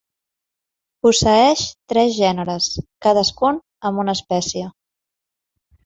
Posseeix tres gèneres, cadascun amb una espècie.